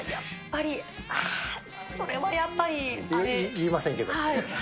それはやっぱり、ああ、言いませんけど。